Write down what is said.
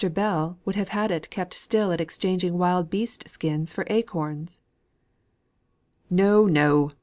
Bell would have had it keep still at exchanging wild beast skins for acorns." "No, no.